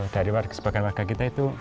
dari warga sebagian warga kita itu